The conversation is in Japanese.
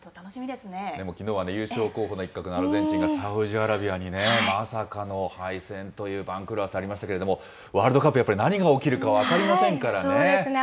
でもきのうは優勝候補の一角のアルゼンチンが、サウジアラビアにまさかの敗戦という番狂わせありましたけれども、ワールドカップ、やっぱり、何が起きるか分かりませんからね。